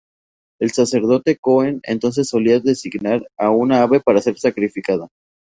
El sacerdote cohen, entonces solía designar a una ave para ser sacrificada.